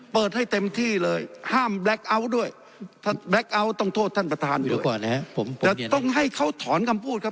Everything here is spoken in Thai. เปิดให้เต็มที่เลยห้ามด้วยถ้าต้องโทษท่านประธานด้วยแต่ต้องให้เขาถอนคำพูดครับ